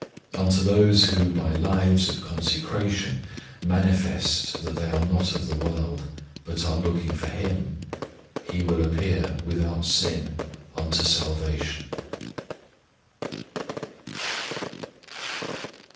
Unto those who by lives of consecration manifest that they are not of the world, but are looking for Him, "He will appear without sin unto salvation."